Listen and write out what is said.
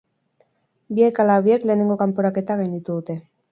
Biek ala biek lehenengo kanporaketa gainditu dute.